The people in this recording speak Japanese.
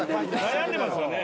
悩んでますよね？